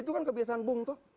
itu kan kebiasaan bung to